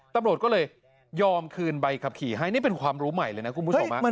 ตำรวจก็เลยยอมคืนใบขับขี่ให้นี่เป็นความรู้ใหม่เลยนะคุณผู้ชม